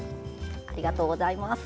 ありがとうございます。